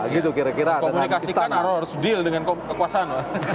komunikasikan atau harus deal dengan kekuasaan